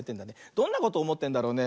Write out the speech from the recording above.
どんなことおもってんだろうね。